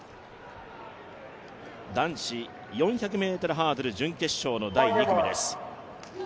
男子４００ｍハードル準決勝の第２組です。